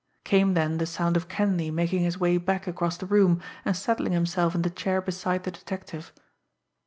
Came then the sound of Kenleigh making his way back across the room, and settling himself in the chair beside the detective.